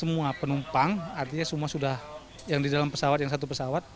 semua penumpang artinya semua sudah yang di dalam pesawat yang satu pesawat